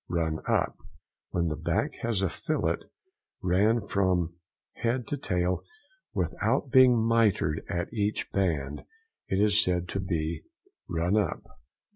RUN UP.—When the back has a fillet ran from head to tail without being mitred at each band, it is said to be "run up."